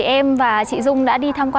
em và chị dung đã đi thăm qua